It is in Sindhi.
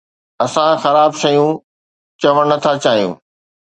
اسان خراب شيون چوڻ نٿا چاهيون